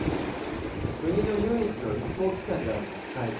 国の唯一の立法機関である国会。